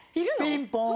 ピンポーン。